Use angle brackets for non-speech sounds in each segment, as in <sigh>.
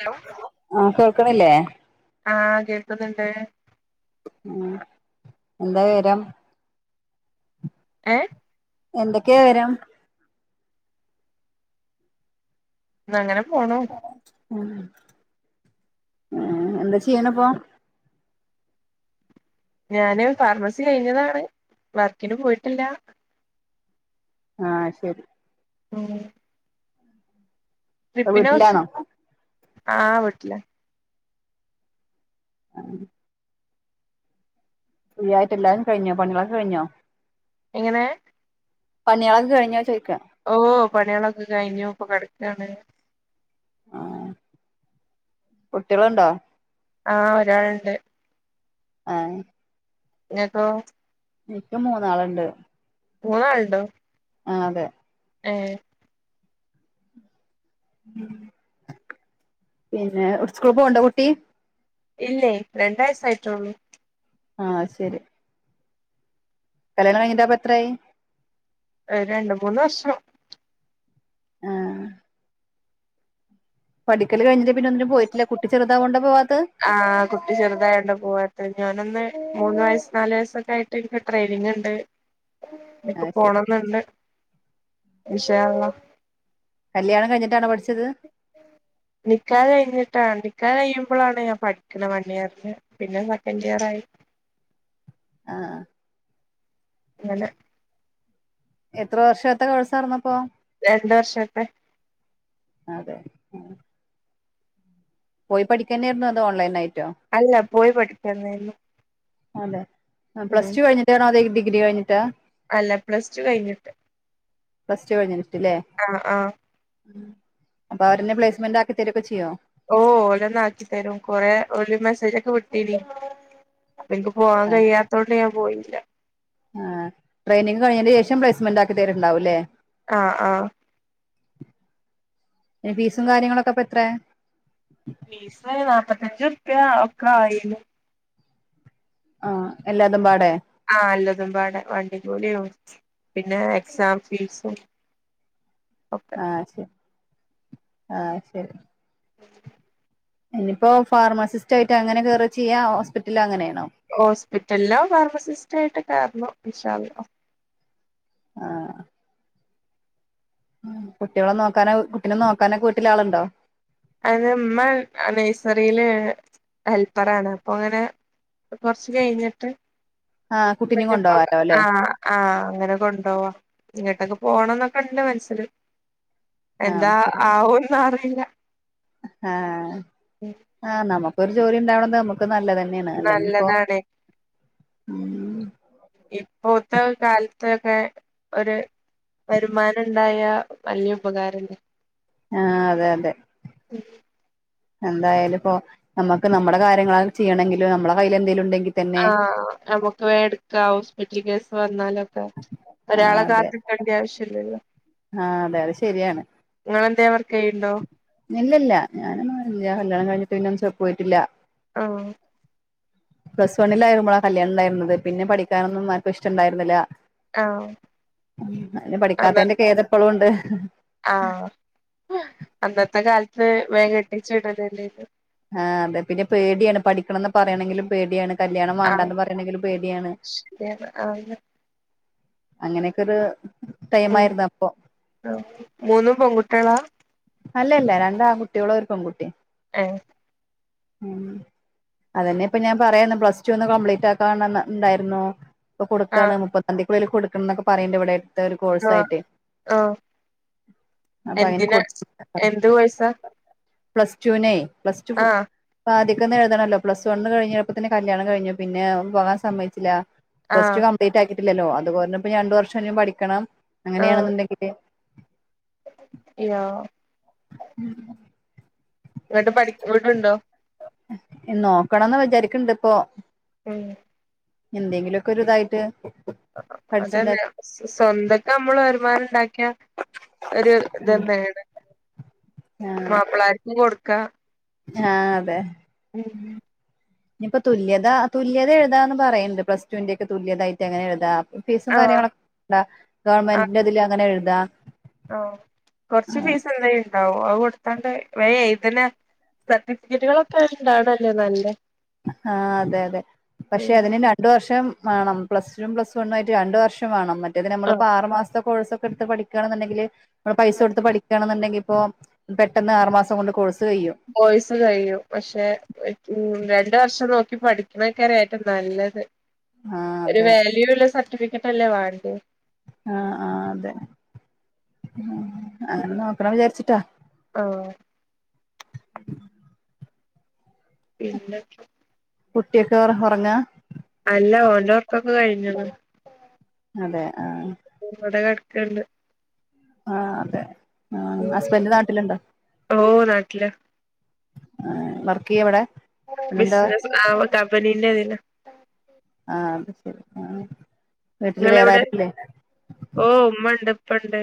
Hello ആഹ് കേൾക്കണില്ലേ ആഹ് കേൾക്ക്ന്ന്ണ്ട് ഉം എന്താ വിവരം ഏഹ് എന്തൊക്കെയാ വിവരം ന്നാ അങ്ങനെ പോണു എന്താ ചെയ്യണിപ്പോ ഞാന് ഫാർമസി കഴിഞ്ഞതാണ് വർക്കിന് പോയിട്ടില്ല ആഹ് ശെരി ഉം ട്രിപ്പിനെ കുറിച്ച് വീട്ടിലാണോ ആഹ് വീട്ടിലാ <unintelligible> ഫ്രീ ആയിട്ട് എല്ലാം കഴിഞ്ഞോ പണികളൊക്കെ കഴിഞ്ഞോ എങ്ങനെ പണ്യകളൊക്കെ കഴിഞ്ഞാ ചോയി ഓ പണികളൊക്കെ കഴിഞ്ഞു ഇപ്പോ കെടക്കാണ് ആഹ് കുട്ടികളോണ്ടോ ആഹ് ഒരാള്ണ്ട് ആഹ് ഇങ്ങക്കൊ എനിക്ക് മൂന്നാളുണ്ട് മ്മൂന്നാലുണ്ടോ ആ അതെ ആഹ പിന്നെ സ്ക്ൂ പോ ഉണ്ടോ കുട്ടി ഇല്ലേ രണ്ടഴസ ആയിട്ടോള്ളൂ ആഹ ശരി കല്യാണം കഴിഞ്ഞിന്റെ അപ്പ എത്രായി രണ്ട മൂന്ന് വർഷം ആഹ പഠിക്കല് കഴിഞ്ഞി പിന്ന ഒന്നും പോയിില്ല കുട്ടിെചെറുതാവോണ്ട് പോവാതെ ആഹ കുട്ടി ചെറുതായണ്ട പോവാത്ത ഞാനൊന്ന് മൂന്ന് വയസ്സ് നാല് വയസ്സൊക്കെ ആയിട്ട് എനി ട്രെനിങ് ഉണ്ട് ഇപ്പൊ ആഹ് ശരി പോണന്നുണ്ട് ഇന്ഷാ അല്ലാഹ് കല്യാണം കഴിട്ടാണ് പഠിച്ചത് നിക്കാഹ് കഴിഞ്ഞിട്ടാണ്ട ക്ക കഴിയുമ്പോളാണ് ഞാൻ പഠിക്കണ വൺ ഇയറിൽ പിന്നെ സെക്കൻഡ് ഇയർ ആയി ആഹ അല്ലെ എത്ര വർഷാത്തെ കോഴ്സ ഇറന്നപ്പോ രണ്ട് വർഷത്തെെ അതെ ഉ പോയി പഠിക്കാനന്നായിരുന്നു അത് ഓൺലൈൻായിട്ട് അല്ല പോയി പഠിക്കന്നല്ല അല്ലെ പ്ലസ് ടു കഴിഞ്ഞിട്ടാണോ അതെ ഡിഗ്രി കഴിഞ്ഞിട്ട് അല്ല പ്ലസ് ടു കഴിഞ്ഞിട്ട് ഫസ്റ്റ് വഴഞ്ഞ ആഹ ആഹ ഉ അപ്പൊ അവരുെ പ്ലേസ്മെന്റ് ആക്കി തരൊക്കെ ചെയ്യോ ഓ ഓലന്ന ആക്കി തരും കൊറെ ഒഓ മെസ്സേജ ഒക്കെ വിട്ടീനീ അനിക്ക് പോവാാൻ കഴിയാത്തതോണ്ട് ഞാൻ പോയില്ല ആ ട്രെയിനിങ്ങ് കഴിഞ്ഞതിന് ശേഷം പ്ലേസ്മെന്റ് ആക്കി തരേണ്ടാവൂല്ലേ. ആ ആ ഫീസും കാര്യങ്ങളൊക്കെപ്പ എത്രാ ഫീസ് നാപ്പത്തിയഞ്ച് റുപ്യ ഒക്കെ ആയീന്നു. ആ എല്ലാതും പാടെ ആ എല്ലാതും പാടെ. വണ്ടിക്കൂലിം പിന്നെ എക്സാം ഫീസും. <inaudible> ഒക്കെ ആ ശരി ഇനിയിപ്പോ ഫാർമസിസ്റ്റ് ആയിട്ട് അങ്ങനെ കേറാ ചെയ്യാ. ഹോസ്പിറ്റലില് അങ്ങനെ ഹോസ്പിറ്റലിലോ ഫാർമസിസ്റ്റായിട്ട് കേറണം. ഇൻഷാ അള്ളാ. ആ ഉം കുട്ടികളെ നോക്കാനോ കുട്ടിനെ നോക്കാനൊക്കെ വീട്ടിലാളുണ്ടോ? അതിന് ഉമ്മ നഴ്സറിയില് ഹെൽപ്പറാണ്. അപ്പൊ അങ്ങനെ അപ്പ കൊറച്ച് കഴിഞ്ഞിട്ട് ആഹ് കുട്ടിനേം പിന്നപ്പോ കൊണ്ടോവാലോ ആ അല്ലെ ആ അങ്ങനെ കൊണ്ടോവാ. ഇങ്ങോട്ടൊക്കെ പോണംന്നൊക്കെണ്ട് മനസ്സില് എന്താ ആവുംന്ന് അറിയില്ല. ആ ആ നമുക്കൊരു ജോലി ഉണ്ടാവണത് നമുക്ക് നല്ലത ന്നെയാണ് അല്ലെങ്കി ഇപ്പോ നല്ലതാണ് ഉം ഇപ്പോത്തെ കാല ത്തൊക്കെ ഒരു വരുമാനം ഉണ്ടായാ വലിയ ഉപകാരല്ലേ. ആ അതെ അതെ. എന്തായാലും ഇപ്പൊ നമുക്ക് നമ്മുടെ കാര്യങ്ങളായാലും ചെയ്യണെങ്കില് നമ്മടെ കയ്യില് എന്തെങ്കിലും ഉണ്ടെ ആ നമുക്ക് വേടുക്കാ ഹോസ്പിറ്റൽ കേസ് വന്നാലും. ഒരാളെ കാത്ത് നിക്കേണ്ടി ആവശ്യല്ലല്ലോ. ആ അതെ അതെ ശരിയാണ്. നിങ്ങളെന്തേ വർക്ക് ചെയ്യണ്ടോ ഇല്ലില്ല ഞാനൊന്നുംല്ല കല്യാണം കഴിഞ്ഞിട്ട് പിന്നൊന്നും ച പോയിട്ടില്ല. ആഹ് പ്ലസ് വണ്ണിലായിരിക്കുമ്പളാ കല്യാണം ഉണ്ടായിരുന്നത് പിന്നെ പഠിക്കാനൊന്നും ആർക്കും ഇഷ്ടം ഇണ്ടായിരുന്നില്ല. ആഹ് പഠിക്കാത്തതിന്റെ ഖേദം ഇപ്പോളൂണ്ട്. ആ അന്നത്തെ കാലത്ത് വേം കെട്ടിച്ച് വിടലല്ലേനു. ആ അതെ പിന്നെ പേടിയാണ് പഠിക്കണംന്ന് പറയണെങ്കിലും പേടിയാണ്. കല്യാണം ആഹ് വാണ്ടാന്ന് പറയണെങ്കിലും പേടിയാണ്. ശരിയാണ് ആഹ് അങ്ങനെയൊക്കൊരു. ഉം മൂന്നും പെൺകുട്ടികളാ. അല്ലല്ല രണ്ടാൺകുട്ടികള് ഒരു പെൺകുട്ടി. ഏയ്. ഉം. അതന്നെ ഇപ്പൊ ഞാൻ പറയാർന്ന് പ്ലസ് ടു ഒന്ന് കംപ്ലീറ്റ് ആക്കാണെന്ന് ഉണ്ടായിരുന്നു. ഇപ്പ ആഹ് കൊടുക്കാണ് മുപ്പതാം തിയതിക്കുള്ളില് കൊടുക്കണന്നൊക്ക പറയേണ്ട് ഇവിടെ. ഒരു ആഹ് കോഴ്സായിട്ടെ ആഹ് അപ്പൊ അയിന് കൊ എന്തിനാ എന്ത് കോഴ്‌സാ? പ്ലസ്ടുവിനെ പ്ലസ്ടു പാതി എഴുതണല്ലോ പ്ലസ് വണ്ണ് കഴിഞ്ഞപ്പോ തന്നെ കല്യാണം കഴിഞ്ഞു പിന്നെ പോകാൻ സമ്മതിച്ചില്ല. പ്ലസ്ടു ആഹ് കംപ്ലീറ്റ് ആക്കിട്ടില്ലല്ലോ അത്പോലന്നെ ഇപ്പ രണ്ടു വർഷം ഇനിം പഠിക്കണം അങ്ങനെയാണെന്നുണ്ടെങ്കില്. യാ. ഉം. എന്നട്ട് പഠി വിടുണ്ടോ? നോക്കണംന്ന് വിചാരിക്കണ്ട് ഇപ്പൊ. ഉം. എന്തെങ്കിലുമൊക്കെ ഒരിതായിട്ട്. അതന്നെ സ്വന്തക്കെ നമ്മള് വരുമാനം ഉണ്ടാക്കി യാ ഒരു ഇതെന്താനെയാണ്. ആ മാപ്ലാരിക്കും കൊടുക്കാം. ആ അതെ. ഉം. ഇനിപ്പൊ തുല്യത തുല്യത എഴുതാ എന്ന് പറയണ്ണ്ട് പ്ലസ് ടുന്റെക്ക തുല്യതായിട്ട് അങ്ങനെ എഴുതാം. ഫീസും ആഹ് കാര്യങ്ങളൊ ണ്ടാ ഗവൺമെന്റിന്റെ അതിൽ എങ്ങനെ എഴുതാ. ഓ കൊറച്ച് ഫീസ് എന്തായ അ ഒ അത് കൊടുത്താണ്ട് വേഗം എഴുതല്ലോ സർട്ടിഫിക്കറ്റുകളൊക്കെ ഇണ്ടാവണല്ലേ നല്ലേ. ആ അതെ അതെ പക്ഷെ അതിന് രണ്ട് വർഷം. വേണം പ്ലസ ടും പ്ലസ് വണും ആയിട്ട് രണ്ട് വർഷം വേണം മറ്റേത് നമ്മളിപ്പോ ആറു മാസത്തെ കോഴ്സൊക്കെ എടുത്ത് പഠിക്കുകാ ണെന്ന്ണ്ടെങ്കില് നമ്മ പൈസ ആഹ് കൊടുത്ത് പഠിക്കാണെന്നുണ്ടെങ്കി ഇപ്പൊ പെട്ടെന്ന് ആറ് മാസം കൊണ്ട് കോഴ്സ്. കഴിയും കോഴ്സ് കഴിയും പക്ഷെ ഊം രണ്ട് വർഷം നോക്ക ഈ പഠിപ്പക്കര ഏറ്റവും നല്ലത് ആ ഒരു അതെ വാല്യൂ ഉള്ള സ സർട്ടിഫിക്കറ്റ് അല്ലേ വേണ്ടിയത്. അ ആ അതെ ഊം ആ നോക്കണോന്ന് വിചാരിച്ചിട്ടാ. ആഹ്. <inaudible> പിന്നിപ്പോ. കുട്ടിയെക്ക ഒറ ഒറങ്ങാ അല്ല ഒരോർക്കൊക്ക കഴിഞ്ഞു അതെ ആ കണ്ട് ആ അതെ ആ ഹസ്ബൻറ് നാട്ടിലിണ്ടാ ഓഹ് നാട്ടിലാ ആ വർക്കിയ്യാ ഇവിടെ പിന്നെന്താ ബിസ്നസ് ആ കമ്പനിലാ ആ അത് ശെരി ആ നിങ്ങളെവിടെ ഓ ഉമ്മ എണ്ട് ഉപ്പെണ്ട്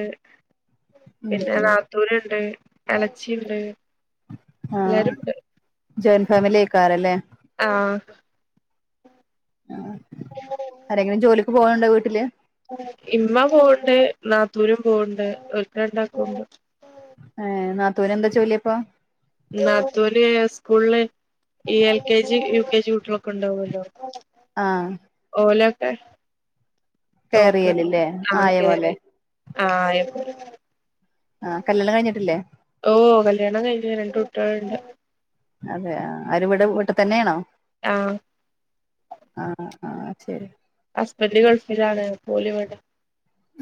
ഉം പിന്നെ ഉം നാത്തൂര് എണ്ട് എലച്ചിയുണ്ട് ആഹ് എല്ലാരും എ ജോയിന്റ് ഫാമിലി ആയിക്കാരല്ലേ ആ ആ ആരെങ്കിലും ജോലിക്ക് പോകാന്ണ്ടാ വീട്ടില് ഇമ്മ പോവൺണ്ട് നാത്തൂരും പോവൺണ്ട് ഒക്കെ ഇണ്ടാക്കൊണ്ട് ഏ നാത്തൂന് എന്താ ജോലിയപ്പോ നാത്തൂന് സ്കൂളില് ഈ L K G U K G കുട്ടീളൊക്കെ ഉണ്ടാവോല്ലോ ആ ഒലൊക്കെ ഓക്കെ കെയറിയലല്ലേ ആ ആയ ഓക്കേ പോലെ റൈറ്റ് അ ആ എ ആഹ് കല്യാണം കഴിഞ്ഞിട്ടില്ലേ ഓ കല്യാണം കഴിഞ്ഞാ രണ്ടും എണ്ട് അതെ ആ അവര് ഇവട ഇവടതന്നേണോ ആ ആ അ ആ ശെരി ഹസ്ബന്റ് ഗൾഫിലാണ് ഓലിവടെ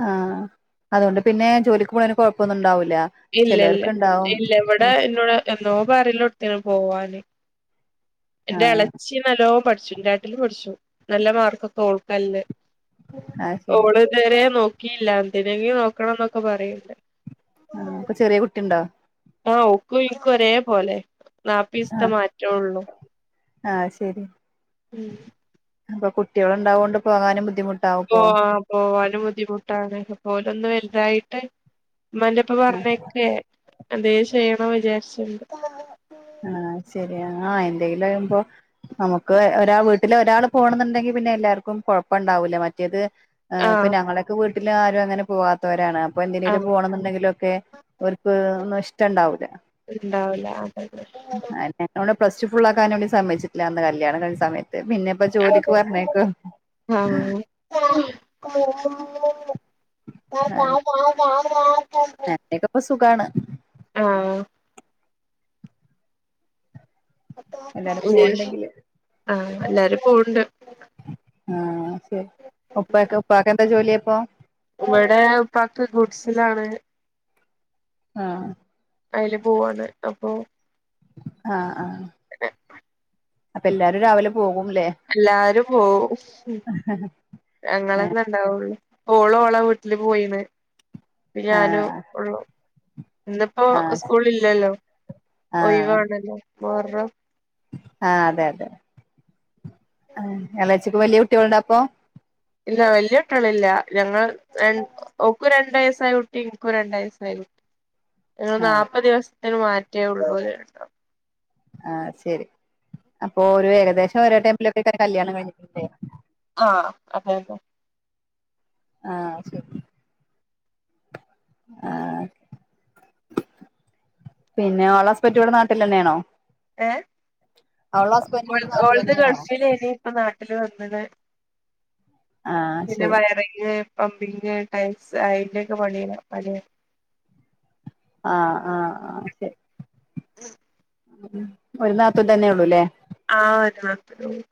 ആ അതുകൊണ്ട് പിന്നെ ജോലിക്ക് പോയാലും കൊഴപ്പൊന്നുണ്ടാവൂല്ല ഇല്ല ഇല്ല ഇല്ല ഇവിടെ എന്നോട് എന്തോ പറല്ലോടത്തിന് പോവാന് എന്റെ ആഹ് എളച്ചി നല്ലോം പഠിച്ചു എന്റെ ഏട്ടിലും പഠിച്ചു നല്ല മാർക്കൊക്കെ ഓൾക്കെല്ലെ അത് ശരി ഓള് തേരെ നോക്കിയില്ല എന്തിനെങ്കി നോക്കണംന്നൊക്കെ പറയല്ലേ ആ ഇപ്പൊ ചെറിയ കുട്ടിണ്ടാ ആ ഒക്കു ഈ കൊരേ പോലെ നാപ്പിസ്മാറ്റൊള്ളൂ ആ ശരി ഉം അപ്പൊ കുട്ടികൾ ഉണ്ടാവുകൊണ്ട് പോകാനും ബുദ്ധിുട്ട് പോ പോവാനും ബുദ്ധിമുട്ടാണ് പോലൊന്നും വൽതായിട്ട് ഉമ്മാന്റെപ്പ ആഹ് പറഞ്ഞക്കെ എന്ത ചെയ്യണ വിചാരിച്ചണ്ട് ആഹ ശരിയാ ആ എന്തെങ്കിലും വിയുമ്പോ നമുക്ക് ഒരാ വീട്ടില് ഒരാള് പോണ എന്നുണ്ടെങ്കിൽ പിന്നെ എല്ലാവർക്കും കുഴപ്പം ഉണ്ടാവു ല്ല മറ്റേത് ഇപ്പൊ ആഹ് ഞങ്ങളൊക്കെ വീട്ടില്ും ആരും അങ്ങനെ പോവാത്തോ രാണ് അപ്പൊ എങ്ങട്ടെലും ആഹ് പോണം ന്നുണ്ടെങ്കിലോക്കെ ഓർക് ഒന്നും ഇഷ്ട ഇണ്ടാവൂല ഇണ്ടാവൂല അതന്നെ <unintelligible> പ്ലസ് ടു ഫൾ ആാൻ വേണ്ടി സമച്ചിില്ല അന്ന് കല്യാണം ക സമയ മ പിന്നെ ഇപ്പോൊ ജോലിക്ക് പറഞ്ഞേക്കൊ ഉ ആ ആ <unintelligible> ഇപ്പൊ സുഖാണ് ആഹ് എല്ലാരും മ്മ് പോവണ്ടെങ്കില് ആഹ എല്ലാരും പോണ്ട് ആഹ ശരി ഉപ്പക്കെ ഉപ്പക്കെ എന്താ ജോലിയ അപ്പോ ഇവിടെ പാക്ക് ഗുഡ്സിലാണ് ആഹ് അതില് പോവാണ് അപ്പൊ ആഹ് ആഹ് അപ്പൊ എല്ലാരും രാവിലെ പോകും എല്ലാരും പോവും ഞങ്ങളന്ന ഇണ്ടാവുള്ളൂ ഓളോ ഓളാ വീട്ടില് പോയിണ് ഞാനും ആഹ് ള്ളു ന്നിപ്പോ ആഹ് സ്കൂളില്ലല്ലോ ഒഴിവാണല്ലോ മുഹറം ആഹ അതെ അതെ എളചിക് വലിയ കുട്ടികളുണ്ടപ്പ ഇല്ല വലിയ ട്ടള ഇില്ല ഞങ്ങൾ ക്കും ഓക്കു രണ്ടയസ ആ കുട്ടി ഇൻക്കും രണ്ടായയസായി കുട്ടി ങ്ങൾ ആഹ് നാല്പ്പത് ദിവസത്തിന് മാറ്റേ ഉള്ളൂ ഓൽ രണ്ടാളും ആഹ ശരി അപ്പൊ ഒരു ഏകദേശം ഒഓരോടൈമിലൊക്കെ ആയിരിക്കും കല്യാണം കഴിഞ്ഞിട്ട ആഹ അതെ അതെ ആ ശരി ആ പിന്നെ ഓളാസ്പറ്റിയടെ നാട്ടിലെന്നെണോ ഏ ഇവിടെ ഓളത്തെ നാട്ടിലെന്നെയാണോ ഗഴഫീൽനി ഇപ്പ നാട്ടില് വന്ന അത് ആഹ് പിന്നെ ശരി വയറിങ് പമ്പിങ് ടൈൽസ് അതിന്റെൊക്കെ പണിയ പണിയ ആ ആ ആ ശരി ഒരു നാത്തം തന്നെ ഉള്ളൂ അല്ലേ ആത <unintelligible>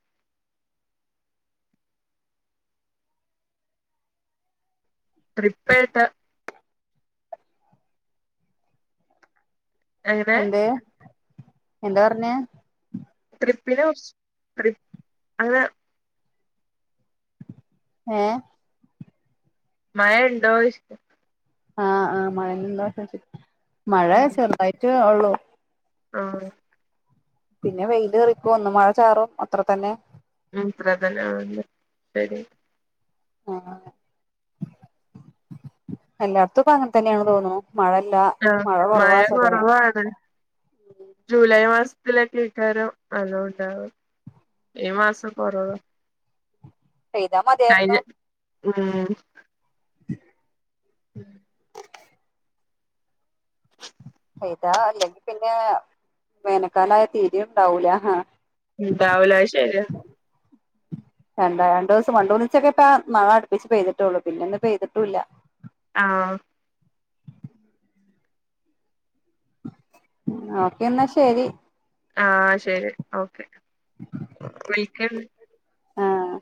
തൃപ്പേട്ട എങ്ങനെ എന്ത് എന്താ പറഞ്ഞെ <unintelligible> അങ്ങെ ഏ മഴണ്ടോ ഇഷ് ആ ആ മഴ മഴ ചെറുതായിട്ട് ഉള്ളു ആ പിന്നെ വെയില് കറിക്കും ഒന്ന്മഴ ചാറും അത്ര തന്നെ <unintelligible> ശരി ആ എല്ലായിടത്തും ഇപ്പ അങ്ങനെ തന്നെയാണ് തോണ് ണു ആ മഴ കുറവാണ് ജൂലൈ മാസം ത്തിലക്കെ കക്കാരുംനല്ലോ ണ്ടാവ ഈ മാസം കൊറവ ചെയ്താ മതിയരുന്നു ഉം ഉ പെയ്ത അല്ലെങ്കി പിന്നെ വേനക്കാലായ തീരെ ഒണ്ടാവൂല ഇണ്ടാവൂല അത്‌ ശെരിയാ <unintelligible> ക്കെപ്പേം മഴ അടുപ്പിച്ച് പെയ്തിട്ടുള്ളു പിന്നെ ഇന്ന് പെയ്തിട്ടുവില്ല ആഹ് ഓക്കെ എന്ന ശരി ആഹ് ശെരി ഓക്കെ വിളിക്ക ആഹ്